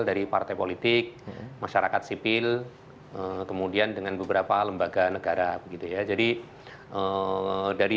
dari partai politik masyarakat sipil kemudian dengan beberapa lembaga negara begitu ya jadi dari